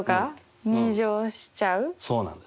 そうなんです。